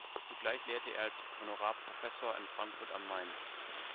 Zugleich lehrte er als Honorarprofessor in Frankfurt am Main.